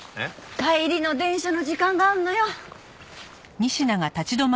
帰りの電車の時間があるのよ。